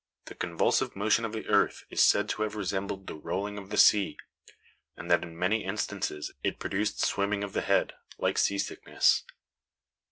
The convulsive motion of the earth is said to have resembled the rolling of the sea, and that in many instances it produced swimming of the head, like sea sickness.